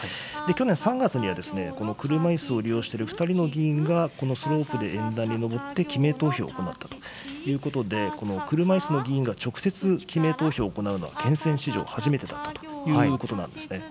去年３月には、この車いすを利用している２人の議員が、このスロープで演壇に上って、記名投票を行ったということで、車いすの議員が、直接記名投票を行うのは憲政史上初めてだったということなんですね。